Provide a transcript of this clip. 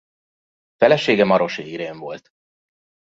Felesége Marosi Irén volt.